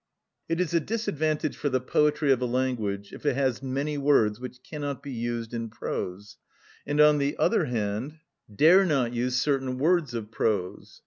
It is a disadvantage for the poetry of a language if it has many words which cannot be used in prose, and, on the other hand, dare not use certain words of prose.